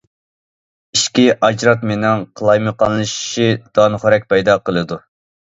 ئىچكى ئاجراتمىنىڭ قالايمىقانلىشىشى دانىخورەك پەيدا قىلىدۇ.